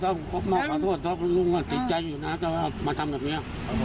เพราะว่าเขามาขอโทษเพราะว่าลุงติดใจอยู่นะจะมาทำแบบนี้